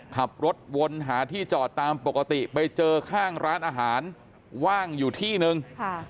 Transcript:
ขับรถวนหาที่จอดตามปกติไปเจอข้างร้านอาหารว่างอยู่ที่นึง